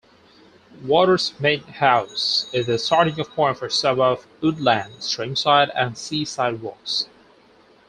Watersmeet House is the starting-off point for some of woodland, streamside and seaside walks.